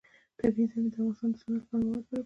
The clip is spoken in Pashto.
طبیعي زیرمې د افغانستان د صنعت لپاره مواد برابروي.